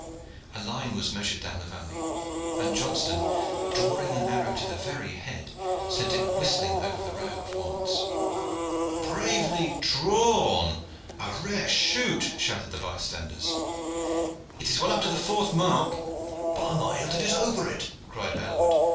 A line was measured down the valley, and Johnston, drawing an arrow to the very head, sent it whistling over the row of wands. "Bravely drawn! A rare shoot!" shouted the bystanders. "It is well up to the fourth mark." "By my hilt! it is over it," cried Aylward.